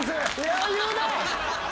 余裕だ。